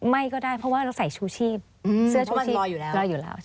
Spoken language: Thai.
ไม่ก็ได้เพราะว่าเราใส่ชูชีพเสื้อชูชีพรออยู่แล้ว